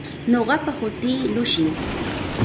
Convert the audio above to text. Nuqapa hutii Llushim.